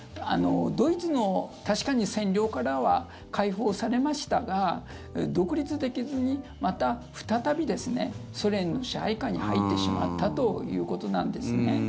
ドイツの、確かに占領からは解放されましたが独立できずにまた再びですねソ連の支配下に入ってしまったということなんですね。